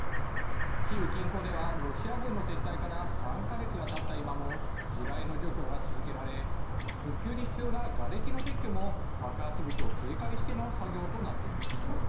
キーウ近郊ではロシア軍の撤退から３か月がたった今も地雷の除去が続けられ復旧に必要な、がれきの撤去も爆発物を警戒しての作業となっています。